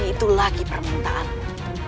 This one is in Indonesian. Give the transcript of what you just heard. itu lagi permintaanmu